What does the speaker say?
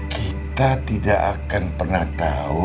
kita tidak akan pernah tahu